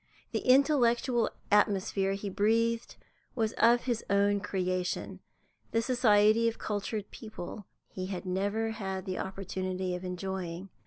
The intellectual atmosphere he breathed was of his own creation; the society of cultured people he had never had an opportunity of enjoying.